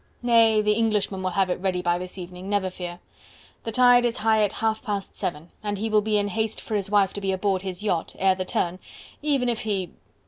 "Nay! the Englishman will have it ready by this evening, never fear. The tide is high at half past seven, and he will be in haste for his wife to be aboard his yacht, ere the turn, even if he..."